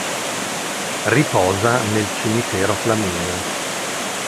Riposa nel Cimitero Flaminio.